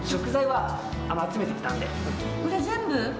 これ全部？